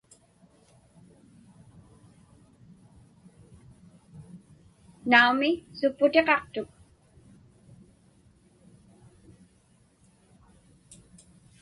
Naumi, supputiqaqtuk.